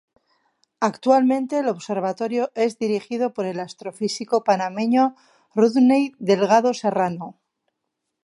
Actualmente el observatorio es dirigido por el astrofísico panameño Rodney Delgado Serrano.